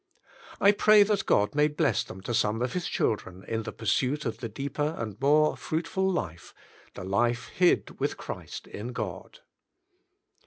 I pray that God may bless them to some of His children in the pursuit of the deeper and more fruitful life, the life hid with Christ in God.